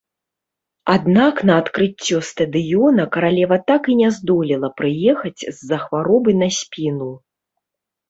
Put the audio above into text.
Аднак на адкрыццё стадыёна каралева так і не здолела прыехаць з-за хваробы на спіну.